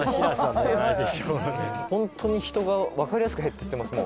「本当に人がわかりやすく減っていってますもう」